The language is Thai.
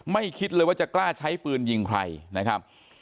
คิดเลยว่าจะกล้าใช้ปืนยิงใครนะครับ